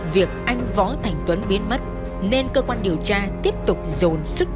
việc anh võ thành tuấn biến mất nên cơ quan điều tra tiếp tục dồn sức